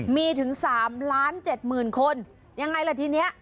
มีถึง๓ล้าน๗๐๐คนยังไงล่ะทีนี้